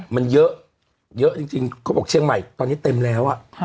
มันเยอะเยอะจริงเขาบอกเชียงใหม่ตอนนี้เต็มแล้ว